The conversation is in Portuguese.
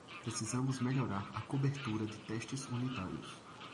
Precisamos melhorar a cobertura de testes unitários.